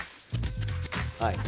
はい。